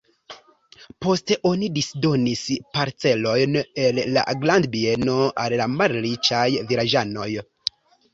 Poste oni disdonis parcelojn el la grandbieno al la malriĉaj vilaĝanoj.